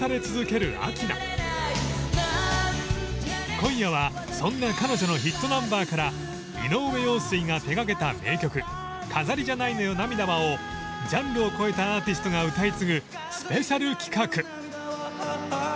今夜はそんな彼女のヒットナンバーから井上陽水が手がけた名曲「飾りじゃないのよ涙は」をジャンルを超えたアーティストが歌い継ぐスペシャル企画！